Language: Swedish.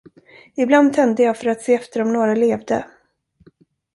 Ibland tände jag för att se efter om några levde.